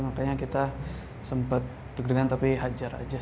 makanya kita sempat deg degan tapi hajar aja